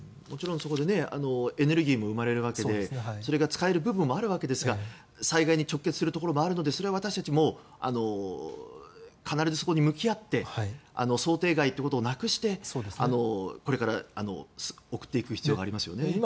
もちろんそこでエネルギーも生まれるわけでそれが使える部分もあるんですが災害に直結するところがあるのでそれは私たちも必ずそこに向き合って想定外ということをなくして、これから送っていく必要がありますよね。